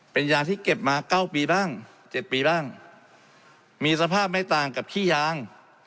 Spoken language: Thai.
เป็นยาที่เก็บมาเก้าปีบ้าง๗ปีบ้างมีสภาพไม่ต่างกับขี้ยาง